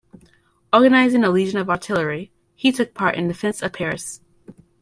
Organizing a legion of artillery, he took part in the defence of Paris.